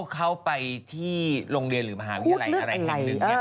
เข้าไปที่โรงเรียนหรือมหาวิทยาลัย